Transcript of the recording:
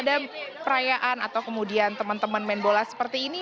ada perayaan atau kemudian teman teman main bola seperti ini